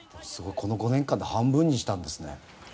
この５年間で半分にしたんですね。